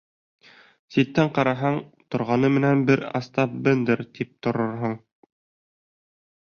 Ситтән ҡараһаң, торғаны менән бер Остап Бендер тип торорһоң.